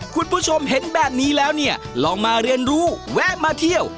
คุณผู้ชมเห็นแบบนี้แล้วเนี่ยลองมาเรียนรู้แวะมาเที่ยว